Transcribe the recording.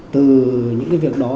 từ những cái việc đó